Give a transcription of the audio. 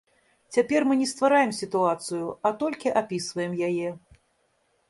Цяпер мы не ствараем сітуацыю, а толькі апісваем яе.